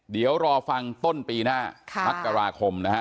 เดี๋ยวรอฟังต้นปีหน้ามกราคมนะฮะ